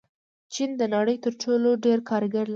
چین د نړۍ تر ټولو ډېر کارګر لري.